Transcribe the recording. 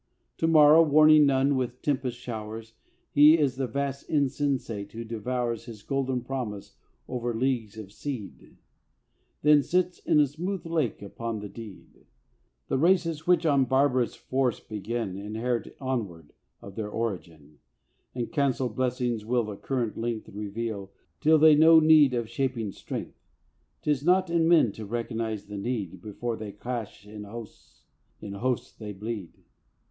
To morrow, warning none with tempest showers, He is the vast Insensate who devours His golden promise over leagues of seed, Then sits in a smooth lake upon the deed. The races which on barbarous force begin, Inherit onward of their origin, And cancelled blessings will the current length Reveal till they know need of shaping strength. 'Tis not in men to recognize the need Before they clash in hosts, in hosts they bleed.